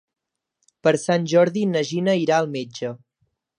Per Sant Jordi na Gina irà al metge.